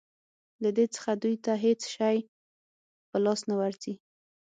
له دې څخه دوی ته هېڅ شی په لاس نه ورځي.